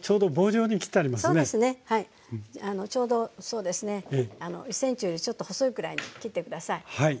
ちょうどそうですね１ｃｍよりちょっと細いくらいに切って下さい。